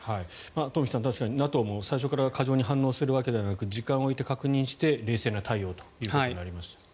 トンフィさん、ＮＡＴＯも最初から過剰に反応するわけではなく時間をおいて確認して冷静な対応ということになりました。